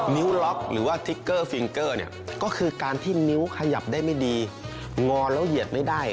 สิ่งที่ของเรางอได้เนี่ย